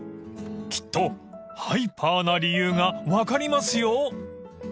［きっとハイパーな理由が分かりますよ］